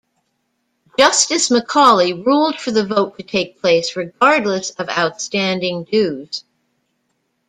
Justice Macaulay ruled for the vote to take place regardless of outstanding dues.